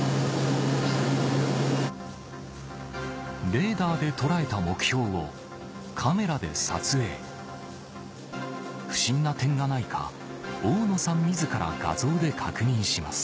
レーダーで捉えた目標をカメラで撮影不審な点がないか大野さん自ら画像で確認します